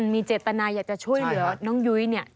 มีเจตนาอยากจะช่วยเหลือน้องยุ้ยเนี่ย